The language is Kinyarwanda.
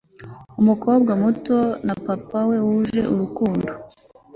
umukobwa muto na papa we wuje urukundo